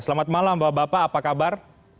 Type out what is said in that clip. selamat malam bapak bapak apa kabar